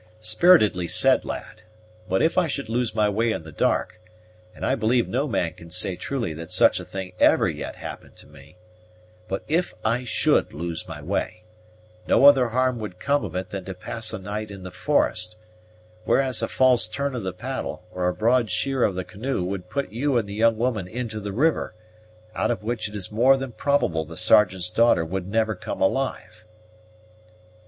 "Spiritedly said, lad; but if I should lose my way in the dark and I believe no man can say truly that such a thing ever yet happened to me but, if I should lose my way, no other harm would come of it than to pass a night in the forest; whereas a false turn of the paddle, or a broad sheer of the canoe, would put you and the young woman into the river, out of which it is more than probable the Sergeant's daughter would never come alive."